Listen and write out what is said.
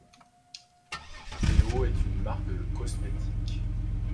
Be.O est une marque de cosmétiques.